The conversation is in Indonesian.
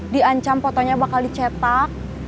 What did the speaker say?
diancam fotonya bakal dicetak